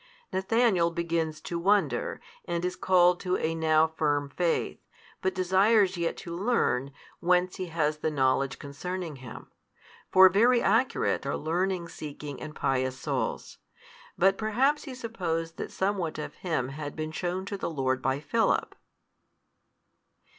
Nathanael begins to wonder, and is called to a now firm faith: but desires yet to learn, whence He has the knowledge concerning him. For very accurate are learning seeking and pious souls. But perhaps he supposed that somewhat of him had been shewn to the Lord by Philip.